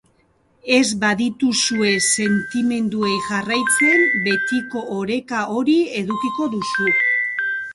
Ez badiezue sentimenduei jarraitzen, betiko oreka hori edukiko duzu.